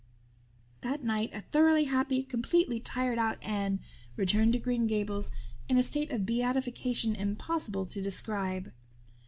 That night a thoroughly happy, completely tired out Anne returned to Green Gables in a state of beatification impossible to describe.